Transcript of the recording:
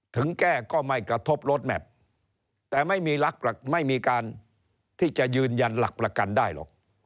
ถึงแก้ก็ไม่กระทบรถแมพแต่ไม่มีไม่มีการที่จะยืนยันหลักประกันได้หรอก